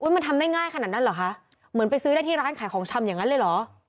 มันทำได้ง่ายขนาดนั้นเหรอคะเหมือนไปซื้อได้ที่ร้านขายของชำอย่างนั้นเลยเหรอ